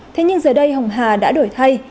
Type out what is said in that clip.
thế nhưng giờ đây hồng hà đã đổi thay